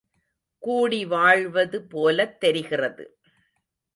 கூடி வாழ்வது போலத் தெரிகிறது!